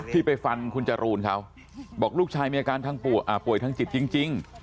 ไปฟันคุณจรูนเขาบอกลูกชายมีอาการทางป่วยทางจิตจริง